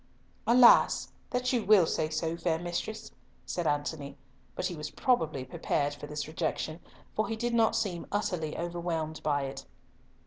"Alas! that you will say so, fair mistress," said Antony, but he was probably prepared for this rejection, for he did not seem utterly overwhelmed by it.